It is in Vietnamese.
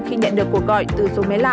khi nhận được cuộc gọi từ số máy lạ